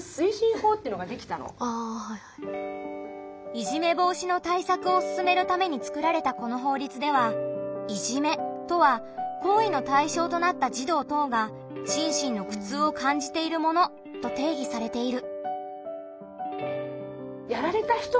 いじめ防止の対策を進めるために作られたこの法律では「いじめ」とは行為の対象となった児童等が心身の苦痛を感じているものと定義されている。